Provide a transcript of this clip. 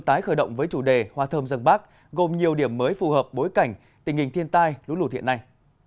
tái khởi động với chủ đề hoa thơm dân bắc gồm nhiều điểm mới phù hợp bối cảnh tình hình thiên tai lũ lụt hiện nay